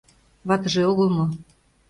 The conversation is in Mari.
Ватыже огыл мо?